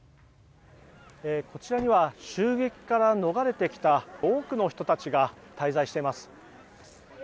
こちらには襲撃から逃れてきた多くの人たちが滞在しています。